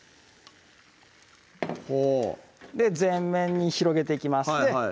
ほう全面に広げていきます